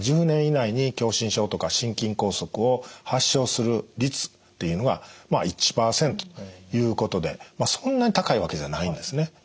１０年以内に狭心症とか心筋梗塞を発症する率っていうのがまあ１％ということでそんなに高いわけではないんですね。